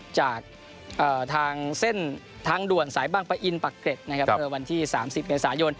จากทางเส้นทางด่วนสายบังไปอินประเกรดวันที่๓๐เดือนสายน